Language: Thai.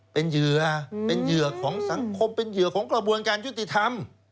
เป็นเหยื่อเป็นเหยื่อของสังคมเป็นเหยื่อของกระบวนการยุติธรรม